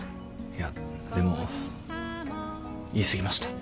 いやでも言い過ぎました。